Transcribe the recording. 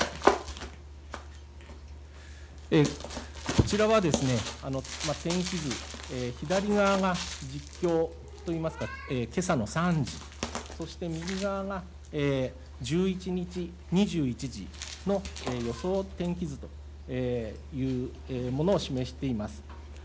こちらはですね、天気図、左側が実況といいますか、けさの３時、そして右側が１１日２１時の予想天気図というものを示しています。